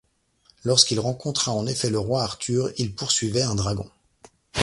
Lorsqu'il rencontra en effet le roi Arthur, il poursuivait un dragon.